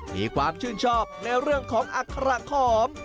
มีความชื่นชอบในเรื่องของอัคระขอม